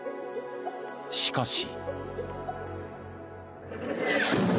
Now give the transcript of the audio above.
しかし。